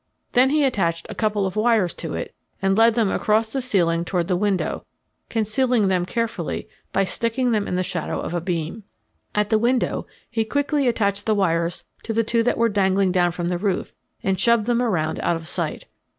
Then he attached a couple of wires to it and led them across the ceiling toward the window, concealing them carefully by sticking them in the shadow of a beam. At the window he quickly attached the wires to the two that were dangling down from the roof and shoved them around out of sight.